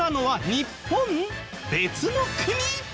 別の国？